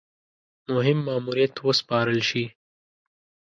مهم ماموریت وسپارل شي.